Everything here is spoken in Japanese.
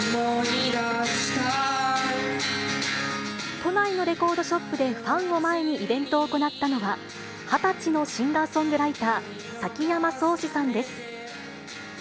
都内のレコードショップでファンを前にイベントを行ったのは、２０歳のシンガーソングライター、崎山蒼志さんです。